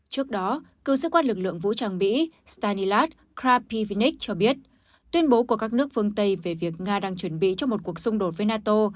trước đó cựu sứ quát lực lượng vũ trang mỹ stanislas krapivnik cho biết tuyên bố của các nước phương tây về việc nga đang chuẩn bị cho một cuộc xung đột với nato